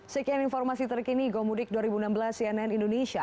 sekian informasi terkini gomudik dua ribu enam belas cnn indonesia